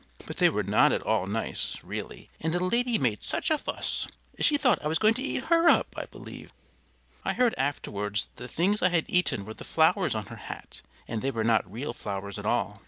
But they were not at all nice, really, and the lady made such a fuss! She thought I was going to eat her up, I believe. I heard afterwards that the things I had eaten were the flowers on her hat, and they were not real flowers at all.